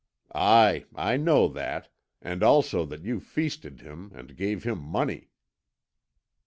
"Aye, I know that, and also that you feasted him, and gave him money."